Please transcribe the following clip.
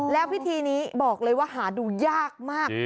แล้วพิธีนี้บอกเลยว่าหาดูยากมาก